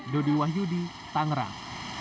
dodi wahyudi tangerang